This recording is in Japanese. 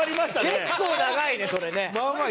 結構長いねそれね。